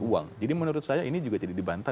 uang jadi menurut saya ini juga jadi dibantah